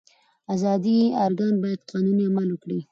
اداري ارګان باید قانوني عمل وکړي.